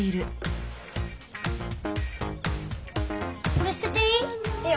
これ捨てていい？